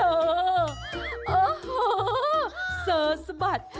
โอ้โฮเซอร์สบัตร